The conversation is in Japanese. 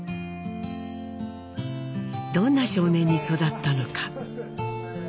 どんな少年に育ったのか。